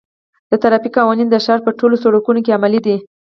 د ترافیک قوانین د ښار په ټولو سړکونو کې عملي دي.